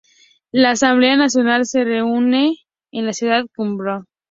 La Asamblea Nacional se reúne en la Ciudad de Kuwait.